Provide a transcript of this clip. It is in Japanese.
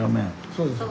そうです。